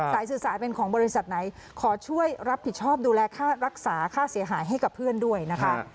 สื่อสารเป็นของบริษัทไหนขอช่วยรับผิดชอบดูแลค่ารักษาค่าเสียหายให้กับเพื่อนด้วยนะคะ